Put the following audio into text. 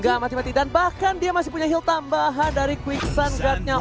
gak mati mati dan bahkan dia masih punya heel tambahan dari quick sun guardnya